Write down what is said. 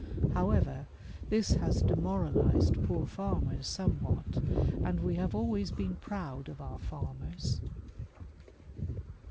Hov/ever, this has demoralized poor farmers somewhat, and we have always been proud of our farmers.